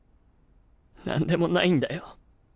なんでもないんだよ。